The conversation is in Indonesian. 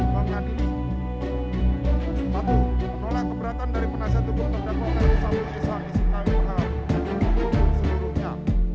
satu menolak keberatan dari penasihat untuk pendatang ru satu isi kami pengalaman dan penyelidikan untuk seluruhnya